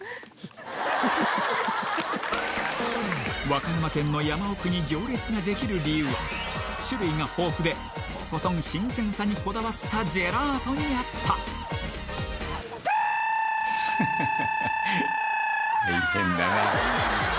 和歌山県の山奥に行列ができる理由は種類が豊富でとことん新鮮さにこだわったジェラートにあったプルルルルルルラ！